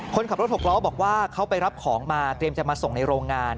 คนขับรถหกล้อบอกว่าเขาไปรับของมาเตรียมจะมาส่งในโรงงาน